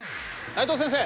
内藤先生！